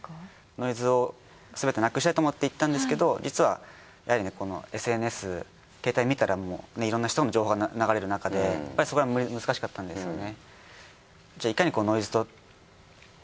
ノイズをすべてなくしたいと思って行ったんですけど実はやはりねＳＮＳケータイ見たらいろんな人の情報が流れるなかでやっぱりそれは難しかったんですよね。